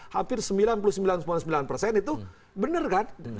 hampir sembilan puluh sembilan sembilan puluh sembilan persen itu benar kan